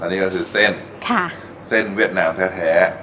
นี่ก็คือเส้นเส้นเวียดนามแท้